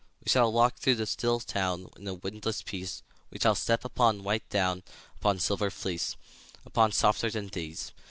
We shall walk through the still town In a windless peace; We shall step upon white down, Upon silver fleece, Upon softer than these.